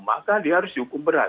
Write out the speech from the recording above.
maka dia harus dihukum